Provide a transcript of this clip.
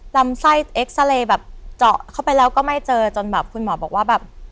ลำไส้เอ็กซาเรย์แบบเจาะเข้าไปแล้วก็ไม่เจอจนแบบคุณหมอบอกว่าแบบ